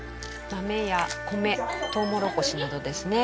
豆や米トウモロコシなどですね